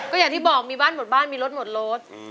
ก็อย่างที่บอกมีบ้านหมดบ้านมีรถหมดรถ